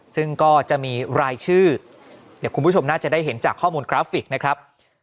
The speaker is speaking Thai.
ซึ่งก็จะมีรายชื่อเดี๋ยวคุณผู้ชมน่าจะได้เห็นจากข้อมูลกราฟิกนะครับ